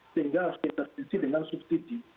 sehingga harus dipertimbangkan dengan subsidi